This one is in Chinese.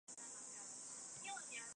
攻济阳。